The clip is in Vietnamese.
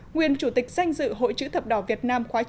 nguyên chủ tịch danh dự hội chữ thập đỏ việt nam khóa chín